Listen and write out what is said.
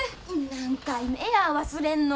何回目や忘れんの。